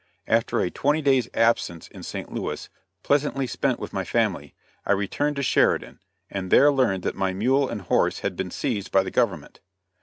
After a twenty days absence in St. Louis, pleasantly spent with my family, I returned to Sheridan, and there learned that my mule and horse had been seized by the government.